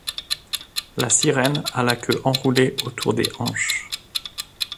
La sirène a la queue enroulée autour des hanches.